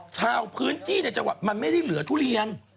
ชาวพื้นจีนเนี่ยจะบอกมันไม่ได้เหลือทุเรียน